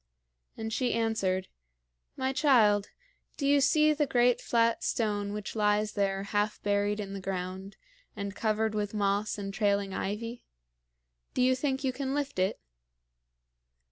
And she answered: "My child, do you see the great flat stone which lies there, half buried in the ground, and covered with moss and trailing ivy? Do you think you can lift it?"